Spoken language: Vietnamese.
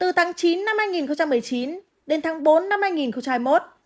từ tháng chín năm hai nghìn một mươi chín đến tháng bốn năm hai nghìn hai mươi một